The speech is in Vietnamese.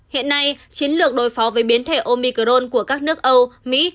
hiện nay chiến lược đối phó với biến thể omicron của các nước âu mỹ